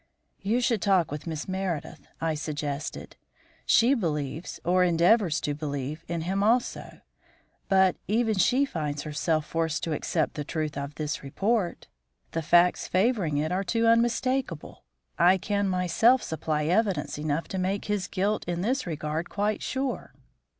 "You should talk with Miss Meredith," I suggested. "She believes, or endeavours to believe, in him also. But even she finds herself forced to accept the truth of this report. The facts favouring it are too unmistakable. I can myself supply evidence enough to make his guilt in this regard quite sure."